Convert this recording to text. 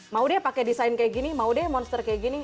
mau deh pakai desain kayak gini mau deh monster kayak gini